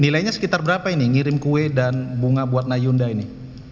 nilainya sekitar berapa ini ngirim kue dan bunga buat nayunda ini